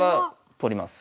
取ります。